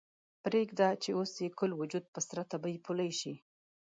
پریږده چې اوس یې ګل وجود په سره تبۍ پولۍ شي